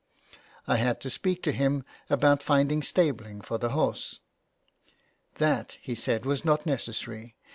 I had to speak to him about finding stabling for the horse. That, he said, was not necessary.